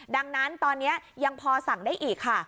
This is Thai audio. ดังนั้นตอนนี้ยังพอสั่งได้อีกค่ะ